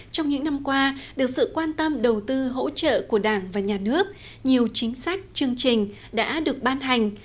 trong những năm qua được sự quan tâm đầu tư hỗ trợ của đảng và nhà nước nhiều chính sách chương trình đã được ban hành